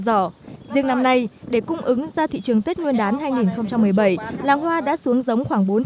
giỏ riêng năm nay để cung ứng ra thị trường tết nguyên đán hai nghìn một mươi bảy làng hoa đã xuống giống khoảng bốn mươi